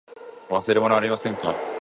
忘れ物はありませんか。